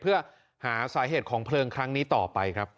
เพื่อหาสาเหตุของเพลิงครั้งนี้ต่อไปครับ